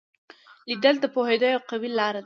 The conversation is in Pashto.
لیدل د پوهېدو یوه قوي لار ده